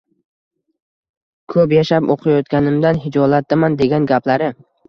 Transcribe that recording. “Ko’p yashab qo’yayotganimdan hijolatdaman”, degan gaplari